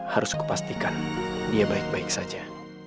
harus kupastikan dia baik baik saja